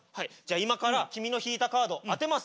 今から君の引いたカード当てます。